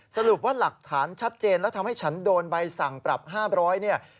สรุปว่าหลักฐานชัดเจนแล้วทำให้ฉันโดนใบสั่งปรับ๕๐๐เนี่ย